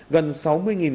gần sáu mươi con da súc